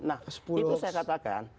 nah itu saya katakan